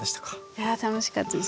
いや楽しかったです。